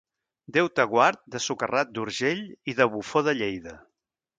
Déu te guard de socarrat d'Urgell i de bufó de Lleida.